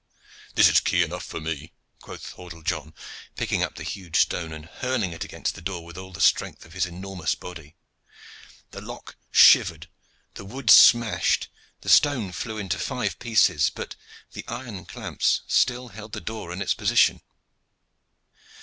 "This is key enough for me!" quoth Hordle John, picking up the huge stone, and hurling it against the door with all the strength of his enormous body. The lock shivered, the wood smashed, the stone flew into five pieces, but the iron clamps still held the door in its position.